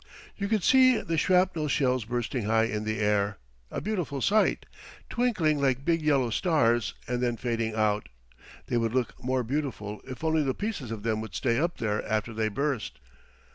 You could see the shrapnel shells bursting high in the air a beautiful sight twinkling like big yellow stars, and then fading out. They would look more beautiful if only the pieces of them would stay up there after they burst.